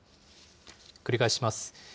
繰り返します。